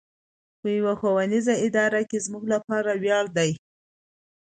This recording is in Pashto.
په يوه ښوونيزه اداره کې زموږ لپاره وياړ دی.